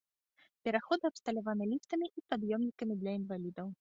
Пераходы абсталяваны ліфтамі і пад'ёмнікамі для інвалідаў.